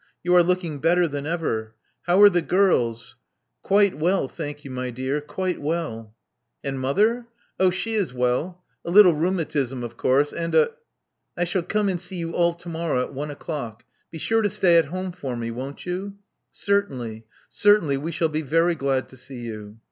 You are looking better than ever. How are the girls?" Quite well, thank you, my dear. Quite well." And mother?" Oh, she is well. A little rheumatism, of course; and— a " •*I shall come and see you all to morrow, at one o'clock. Be sure to stay at home for me, won't you?" Certainly. Certainly. We shall be very glad to see you."